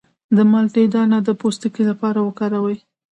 د مالټې دانه د پوستکي لپاره وکاروئ